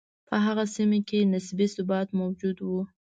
په هغه سیمه کې نسبي ثبات موجود و.